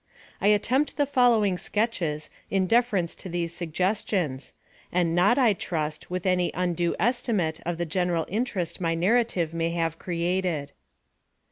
I attempt the following sketches in deference to these suggestions, and not, I trust, with any undue estimate of the general interest my narrative may have created.